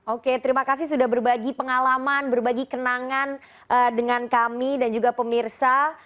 oke terima kasih sudah berbagi pengalaman berbagi kenangan dengan kami dan juga pemirsa